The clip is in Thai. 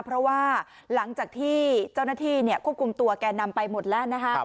เพราะว่าหลังจากที่เจ้าหน้าที่ควบคุมตัวแก่นำไปหมดแล้วนะฮะ